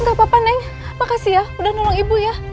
gak apa apa neng makasih ya udah nolong ibu ya